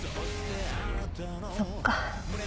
そっか。